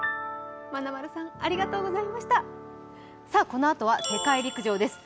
このあとは世界陸上です。